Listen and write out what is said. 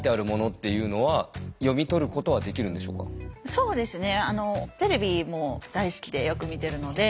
そうですね。